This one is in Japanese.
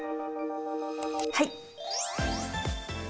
はい。